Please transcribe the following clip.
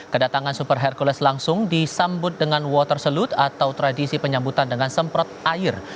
kedatangan super hercules langsung disambut dengan water selut atau tradisi penyambutan dengan semprot air